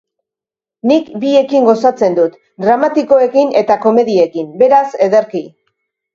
Nik biekin gozatzen dut, dramatikoekin eta komediekin, beraz, ederki.